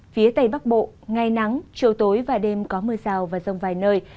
phía tây bắc bộ ngày nắng trưa tối vài đêm có mưa rào và rông vài nơi